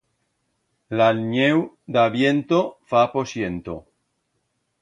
La nieu d'aviento fa posiento.